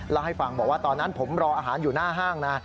แล้วให้ฟังบอกว่าตอนนั้นผมรออาหารอยู่หน้าห้างนะ